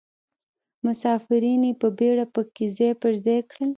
مسافرین یې په بیړه په کې ځای پر ځای کړل.